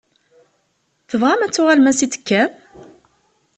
Tebɣam ad tuɣalem ansa i d-tekkam?